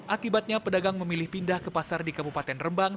akibatnya pedagang memilih pindah ke pasar di kabupaten rembang